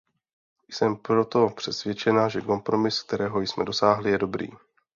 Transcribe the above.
Jsem proto přesvědčena, že kompromis, kterého jsme dosáhli, je dobrý.